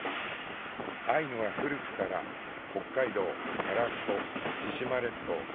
アイヌは古くから北海道樺太千島列島